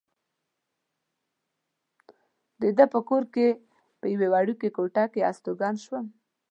د ده په کور کې په یوې وړوکې کوټه کې استوګن شوم.